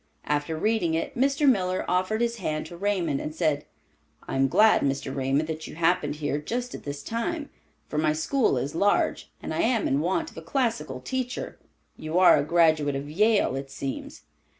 After reading it, Mr. Miller offered his hand to Raymond, and said, "I am glad, Mr. Raymond, that you happened here just at this time, for my school is large, and I am in want of a classical teacher. You are a graduate of Yale, it seems?"